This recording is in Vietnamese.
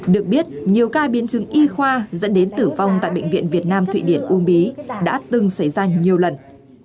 được biết nhiều ca biến chứng y khoa dẫn đến tử vong tại bệnh viện việt nam thụy điển uông bí đã từng xảy ra nhiều lần